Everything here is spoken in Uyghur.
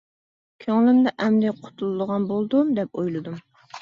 كۆڭلۈمدە ئەمدى قۇتۇلىدىغان بولدۇم دەپ ئويلىدىم.